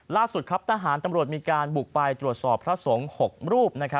ล่าสุดครับทหารตำรวจมีการบุกไปตรวจสอบพระสงฆ์๖รูป